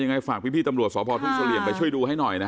ยังไงฝากพี่ตำรวจศพทุกศาลียนไปดูให้หน่อยนะคะ